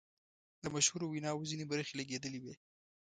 د مشهورو ویناوو ځینې برخې لګیدلې وې.